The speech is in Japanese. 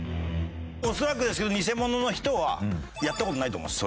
恐らくですけどニセモノの人はやった事ないと思います